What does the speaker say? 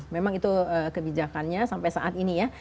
memang itu kebijakannya sampai saat ini ya